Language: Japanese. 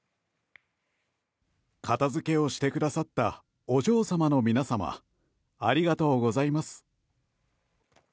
片付けをしてくださったお嬢様の皆様ありがとうございます。